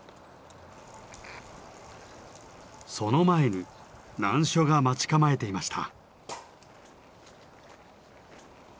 その前に難所が待ち構えていました。